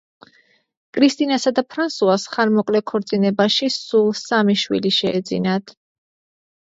კრისტინასა და ფრანსუას ხანმოკლე ქორწინებაში სულ სამი შვილი შეეძინათ.